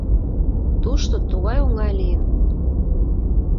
Тушто тугай оҥай лийын.